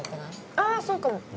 あぁそうかも。